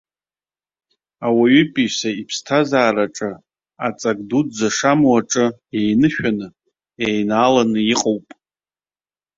Ауаҩытәыҩса иԥсҭазаараҿы аҵак дуӡӡа шамоу аҿы еинышәаны, еинааланы иҟоуп.